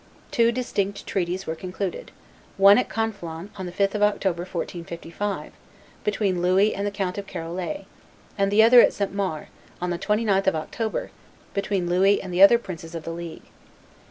Two distinct treaties were concluded: one at Conflans on the 5th of October, 1465, between Louis and the Count of Charolais; and the other at St. Maur on the 29th of October, between Louis and the other princes of the League.